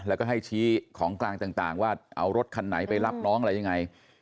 แล้วก็ให้ชี้ของกลางต่างว่าเอารถคันไหนไปรับน้องอะไรยังไง